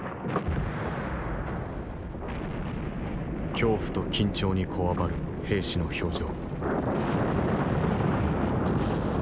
恐怖と緊張にこわばる兵士の表情。